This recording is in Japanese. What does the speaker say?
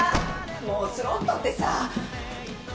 もうスロットってさ。